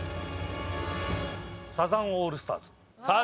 サザンオールスターズ